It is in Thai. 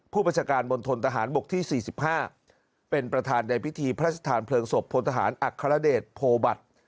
ผู้บัญชาการมณฑนทหารบกที่๔๕เป็นประธานในพิธีพระราชทานเพลิงศพพลทหารอัครเดชโพบัตร